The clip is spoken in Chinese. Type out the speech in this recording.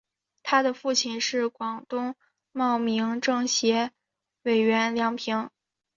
她的父亲是广东茂名政协委员梁平。